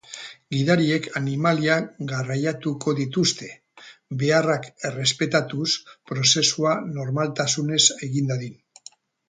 Gidariek animaliak garraiatuko dituzte, beharrak errespetatuz, prozesua normaltasunez egin dadin.